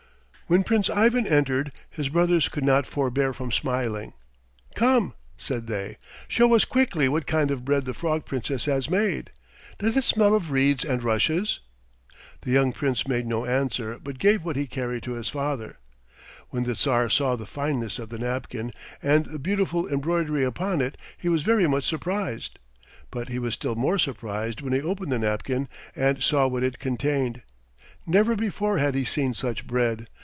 When Prince Ivan entered his brothers could not forbear from smiling. "Come!" said they, "show us quickly what kind of bread the Frog Princess has made. Does it smell of reeds and rushes?" The young Prince made no answer but gave what he carried to his father. When the Tsar saw the fineness of the napkin and the beautiful embroidery upon it he was very much surprised. But he was still more surprised when he opened the napkin and saw what it contained. Never before had he seen such bread.